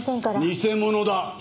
偽物だ！